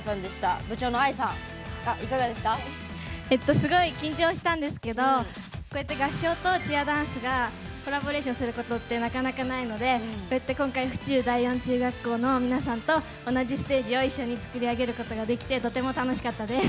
すごい緊張したんですけど合唱とチアダンスがコラボレーションすることってなかなかないので今回府中第四中学校の皆さんと同じステージを一緒に作り上げることができてとても楽しかったです。